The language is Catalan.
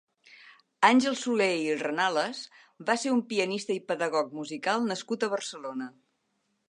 Àngel Soler i Renales va ser un pianista i pedagog musical nascut a Barcelona.